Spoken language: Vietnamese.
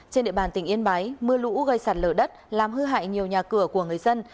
trên địa bàn tỉnh yên bái mưa lũ gây sạt lở đất làm hư hại nhiều nhà cửa của người dân